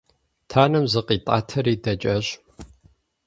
Танэм зыкъитӀатэри дэкӀащ.